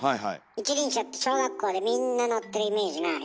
一輪車って小学校でみんな乗ってるイメージない？